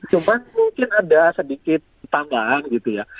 cuman mungkin ada sedikit tambahan gitu ya